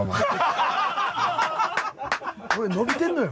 俺伸びてんのよ。